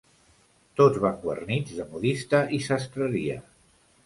Tots van guarnits de modista i sastreria.